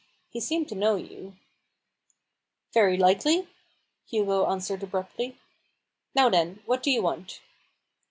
He seemed to know you." " Very likely !" Hugo answered abruptly. "Now then, what do you want?"